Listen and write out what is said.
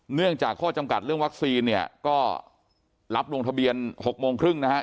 เนื่องจากข้อจำกัดเรื่องวัคซีนเนี่ยก็รับลงทะเบียน๖โมงครึ่งนะครับ